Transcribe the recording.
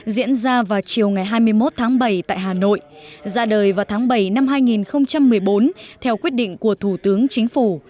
diễn ra vào chiều ngày hai mươi một tháng bảy tại hà nội ra đời vào tháng bảy năm hai nghìn một mươi bốn theo quyết định của thủ tướng chính phủ